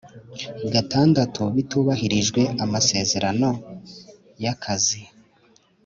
Gatandatu bitubahirijwe amasezerano y akazi